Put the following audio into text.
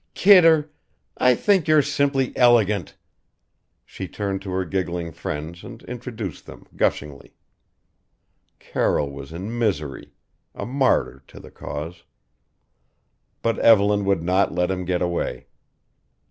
"Kidder! I think you're simply elegant!" She turned to her giggling friends and introduced them gushingly. Carroll was in misery a martyr to the cause. But Evelyn would not let him get away.